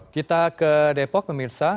kita ke depok pemirsa